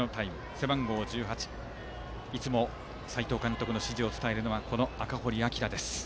背番号１８いつも斎藤監督の指示を伝えるのは赤堀聖です。